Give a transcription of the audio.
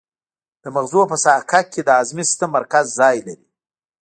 د مغزو په ساقه کې د هضمي سیستم مرکز ځای لري.